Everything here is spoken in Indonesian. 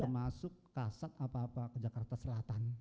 termasuk kasat apa apa ke jakarta selatan